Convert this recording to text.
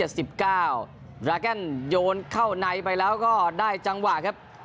ราแกนโยนเข้าในไปแล้วก็ได้จังหวะครับ